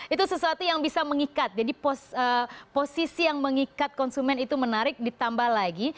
itu sesuatu yang bisa mengikat jadi posisi yang mengikat konsumen itu menarik ditambah lagi